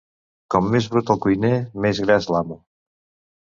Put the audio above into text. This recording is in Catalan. Com més brut el cuiner, més gras l'amo.